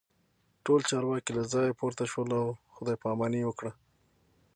ټول چارواکي له ځایه پورته شول او خداي پاماني یې وکړه